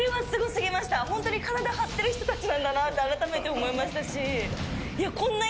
ホントに体張ってる人たちなんだなってあらためて思いましたし。